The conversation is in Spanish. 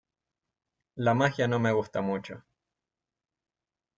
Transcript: La magia no me gusta mucho.